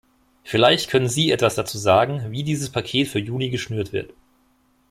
Vielleicht können Sie etwas dazu sagen, wie dieses Paket für Juni geschnürt wird.